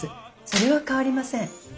それは変わりません。